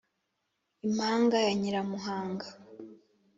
i mpanga ya nyiramuhanga